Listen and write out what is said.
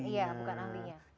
iya bukan ahlinya